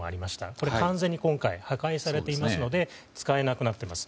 これが今回、完全に破壊されていますので使えなくなっています。